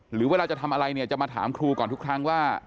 หรือเวลาจะทำอะไรเนี่ยจะมาถามครูก่อนทุกครั้งว่า